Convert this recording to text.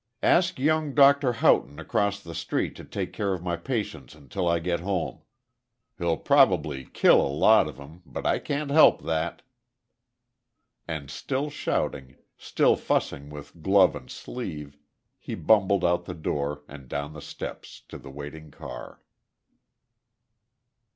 Ask young Dr. Houghton, across the street, to take care of my patients until I get home. He'll probably kill a lot of 'em; but I can't help that." And still shouting, still fussing with glove and sleeve, he bumbled out the door, and down the steps to the waiting car.